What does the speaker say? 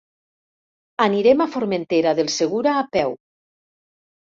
Anirem a Formentera del Segura a peu.